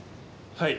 はい。